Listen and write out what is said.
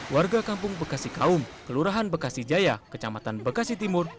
warga kampung bekasi kaum kelurahan bekasi jaya kecamatan bekasi timur